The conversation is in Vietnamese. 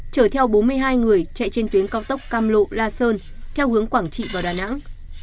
chở theo bốn mươi hai người chạy trên tuyến cao tốc cam lộ la sơn theo hướng quảng trị vào đà nẵng